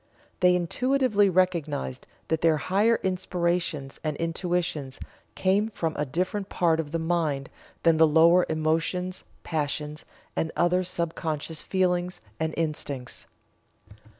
They intuitively recognized that their higher inspirations and intuitions came from a different part of the mind than the lower emotions, passions, and other sub conscious feelings, and instincts.